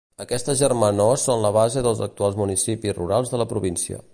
Aquestes germanors són la base dels actuals municipis rurals de la província.